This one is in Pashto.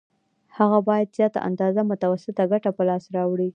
هغه باید زیاته اندازه متوسطه ګټه په لاس راوړي